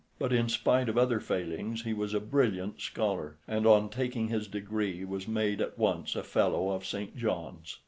But in spite of other failings, he was a brilliant scholar, and on taking his degree, was made at once a fellow of St. John's.